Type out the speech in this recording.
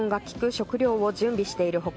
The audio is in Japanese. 食料を準備している他